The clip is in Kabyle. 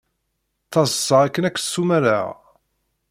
Ttaḍsaɣ akken ad k-ssumareɣ.